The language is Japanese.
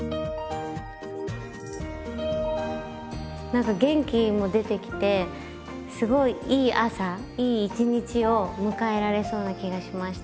何か元気も出てきてすごいいい朝いい一日を迎えられそうな気がしました。